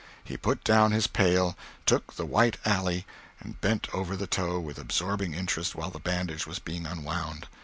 He put down his pail, took the white alley, and bent over the toe with absorbing interest while the bandage was being unwound.